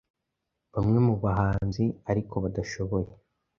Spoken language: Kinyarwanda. Bamwe mu bahanzi ariko badashoboye